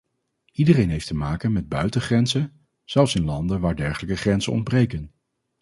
Iedereen heeft te maken met buitengrenzen, zelfs in landen waar dergelijke grenzen ontbreken.